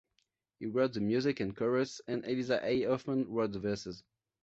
He wrote the music and chorus, and Elisha A. Hoffman wrote the verses.